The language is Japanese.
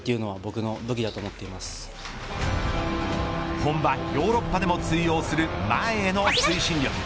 本場ヨーロッパでも通用する前への推進力。